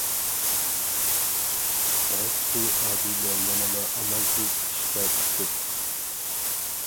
ئەتىسى ئادىلە يەنىلا ئامالسىز ئىشقا چىقتى.